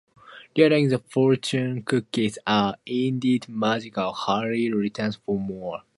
Realizing the fortune cookies are indeed magical, Harry returns for more.